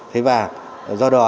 thế và do đó